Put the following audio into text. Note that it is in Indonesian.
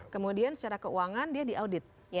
kemudian secara keuangan dia diaudit